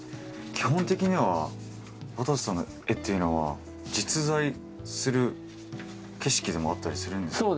基本的にはわたせさんの絵っていうのは実在する景色でもあったりするんですか？